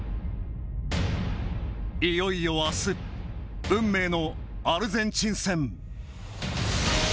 いよいよ明日運命のアルゼンチン戦。